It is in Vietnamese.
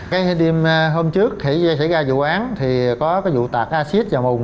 cái hôm trước thì xảy ra vụ án thì có cái vụ tạc acid vào mùn